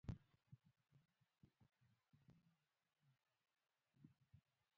تواب وپوښتل کورونه له څه جوړ دي؟